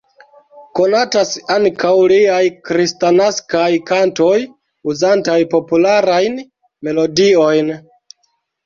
Konatas ankaŭ liaj kristnaskaj kantoj uzantaj popularajn melodiojn.